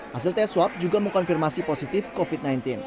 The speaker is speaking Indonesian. hasil tes swab juga mengkonfirmasi positif covid sembilan belas